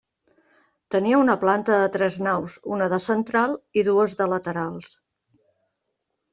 Tenia una planta de tres naus, una de central i dues de laterals.